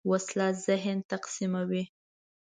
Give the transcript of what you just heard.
وسله ذهن تقسیموي